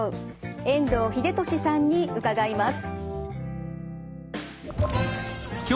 遠藤英俊さんに伺います。